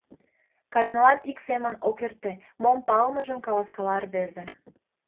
Кажнылан ик семын ок эрте, — мом палымыжым каласкала рвезе.